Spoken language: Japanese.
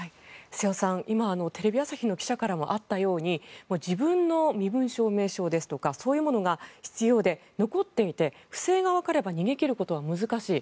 瀬尾さん、今テレビ朝日の記者からもあったように自分の身分証明書ですとかそういうものが必要で残っていて、不正がわかれば逃げ切ることは難しい。